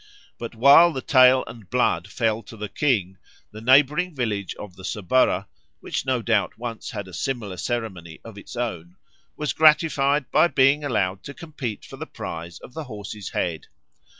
But while the tail and blood fell to the king, the neighbouring village of the Subura, which no doubt once had a similar ceremony of its own, was gratified by being allowed to compete for the prize of the horse's head.